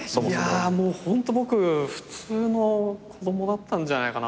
いやもうホント僕普通の子供だったんじゃないかな。